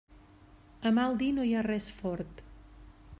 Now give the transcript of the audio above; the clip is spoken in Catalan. A mal dir no hi ha res fort.